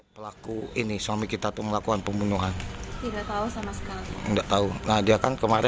pada disini kan dia bilang tidak ada apa apa